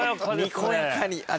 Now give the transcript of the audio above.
にこやかに。